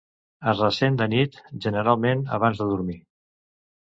Es resen de nit, generalment abans de dormir.